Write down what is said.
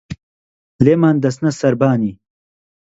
لێمان دەچتە سەربانی